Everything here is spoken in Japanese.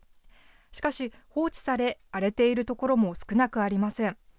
しかし、放置され、荒れている所も少なくありません。